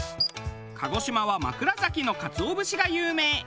鹿児島は枕崎のカツオ節が有名。